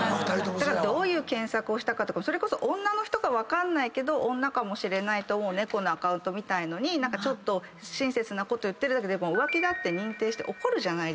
どういう検索をしたかとか女の人か分かんないけど女かもしれないと思う猫のアカウントみたいのに親切なこと言ってるだけで浮気って認定して怒る。